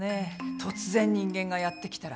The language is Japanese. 突然人間がやって来たら。